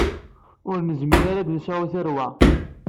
Ur nezmir ara ad nesɛu tarwa.